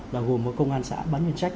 là gồm với công an xã bán nhân trách